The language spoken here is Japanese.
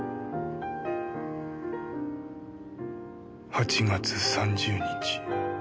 ８月３０日